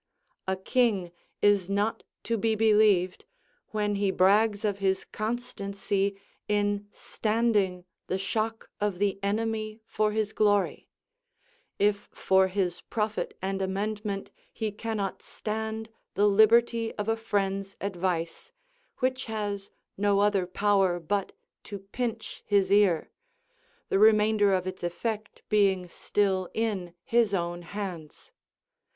A king is not to be believed when he brags of his constancy in standing the shock of the enemy for his glory, if for his profit and amendment he cannot stand the liberty of a friend's advice, which has no other power but to pinch his ear, the remainder of its effect being still in his own hands.